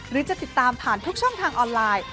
หรือจะติดตามผ่านทุกช่องทางออนไลน์